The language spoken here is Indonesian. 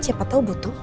siapa tau butuh